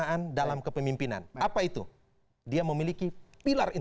tapi ingat sebagai seorang pemimpin pak ahok ini memiliki keutamaan